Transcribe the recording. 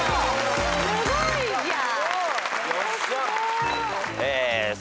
すごいじゃん。